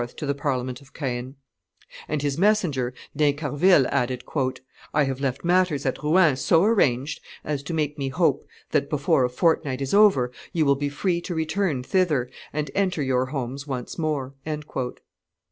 to the Parliament of Caen; and his messenger D'Incarville added, "I have left matters at Rouen so arranged as to make me hope that before a fortnight is over you will be free to return thither and enter your homes once more."